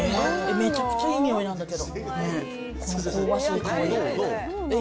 めちゃくちゃいい匂いなんだけど。